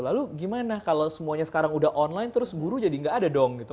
lalu gimana kalau semuanya sekarang udah online terus guru jadi nggak ada dong gitu